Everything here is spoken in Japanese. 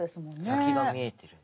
先が見えている。